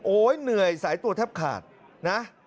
เหนื่อยสายตัวแทบขาดนะ